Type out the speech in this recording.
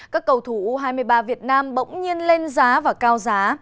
các cầu thủ u hai mươi ba việt nam bỗng nhiên lên giá và cao giá